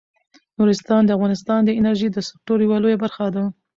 نورستان د افغانستان د انرژۍ د سکتور یوه لویه برخه ده.